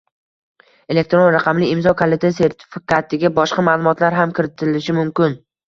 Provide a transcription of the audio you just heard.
elektron raqamli imzo kaliti sertifikatiga boshqa ma’lumotlar ham kiritilishi mumkin.